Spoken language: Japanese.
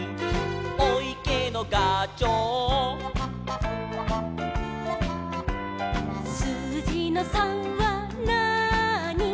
「おいけのがちょう」「すうじの３はなーに」